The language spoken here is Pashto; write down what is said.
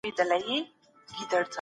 ملتونه د خپلو ارزښتونو په ساتنه وده کوي.